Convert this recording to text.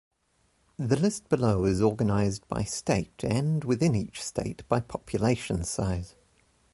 The list below is organized by state and, within each state, by population size.